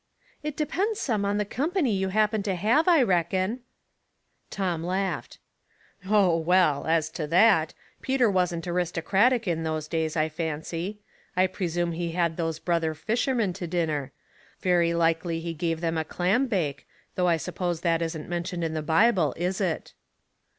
" It depends some on the company you happen to have, I reckon." Tom laughed. " Oh, well, as to that, Peter wasn't aristocratic in those days, I fancy. I presume he had those brother fishermen to dinner. Very likely he gave them a clam bake, though I suppose that isn't mentioned in the Bible, is it